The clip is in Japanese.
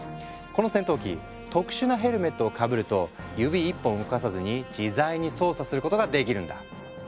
この戦闘機特殊なヘルメットをかぶると指一本動かさずに自在に操作することができるんだ。